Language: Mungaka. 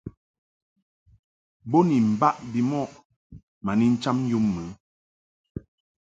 Bo ni mbaʼ bimɔʼ ma ni ncham yum mɨ.